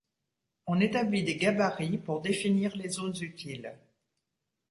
On établit des gabarits pour définir les zones utiles.